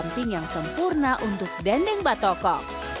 dan ini adalah pendamping yang sempurna untuk dendeng batoko